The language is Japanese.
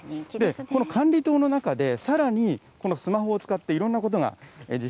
この管理棟の中で、さらにこのスマホを使って、いろんなことが実